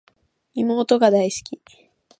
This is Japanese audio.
妹が大好き